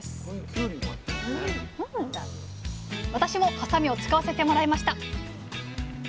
私もはさみを使わせてもらいました